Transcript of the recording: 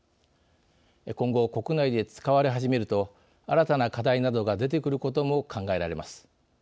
今後、国内で使われ始めると新たな課題などが出てくることも考えられます。